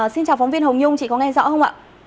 xin chào phóng viên hồng nhung chị có nghe rõ không ạ